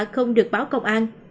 không được báo công an